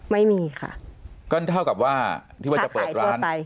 ไม่มีค่ะก็เท่ากับว่าที่ว่าจะเปิดร้านค่ะขายทุกคนไป